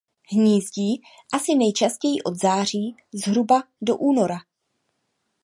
Hnízdí asi nejčastěji od záři zhruba do února.